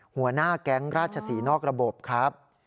หัวหน้าแก๊งราชศรีนอกระบบครับ